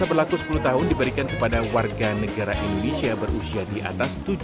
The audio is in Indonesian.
paspor dengan masa berlaku sepuluh tahun diberikan kepada warga negara indonesia berusia diatas tujuh belas